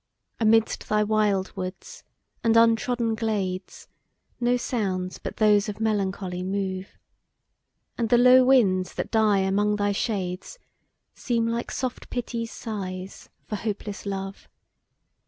Amidst thy wild woods, and untrodden glades, No sounds but those of melancholy move; And the low winds that die among thy shades, Seem like soft Pity's sighs for hopeless love.